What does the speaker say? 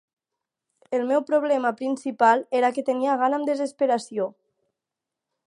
El meu problema principal era que tenia gana amb desesperació.